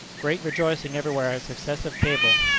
Great rejoicing everywhere at success of cable.